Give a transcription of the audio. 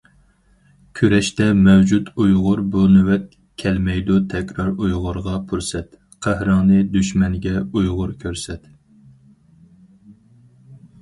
كۈرەشتە مەۋجۇت ئۇيغۇر بۇ نۆۋەت، كەلمەيدۇ تەكرار ئۇيغۇرغا پۇرسەت، قەھرىڭنى دۈشمەنگە ئۇيغۇر كۆرسەت!